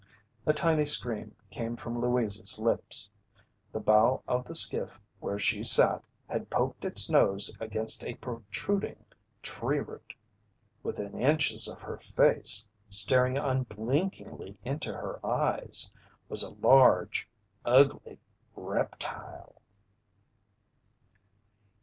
A tiny scream came from Louise's lips. The bow of the skiff where she sat had poked its nose against a protruding tree root. Within inches of her face, staring unblinkingly into her eyes, was a large, ugly reptile!